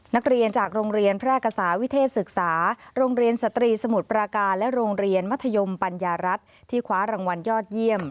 นักเรียนจากโรงเรียนแพร่กษาวิเทศศึกษาโรงเรียนสตรีสมุทรปราการและโรงเรียนมัธยมปัญญารัฐที่คว้ารางวัลยอดเยี่ยม